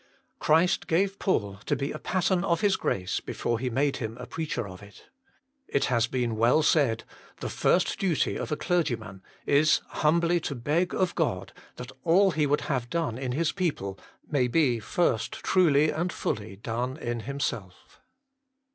Christ gave Paul to be a pattern of His grace before He made him a preacher of it. It has been well said, " The first duty of a clergyman is humbly to beg of God that all he would have done in his people may be first truly and fully done in himself."